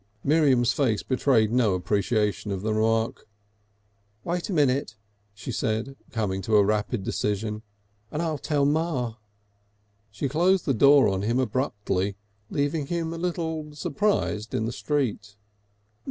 Miriam's face betrayed no appreciation of the remark. "Wait a moment," she said, coming to a rapid decision, "and I'll tell Ma." She closed the door on him abruptly, leaving him a little surprised in the street.